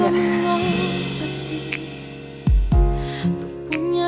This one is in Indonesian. gua pernah berjaya